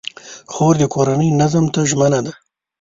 خور د کورنۍ نظم ته ژمنه ده.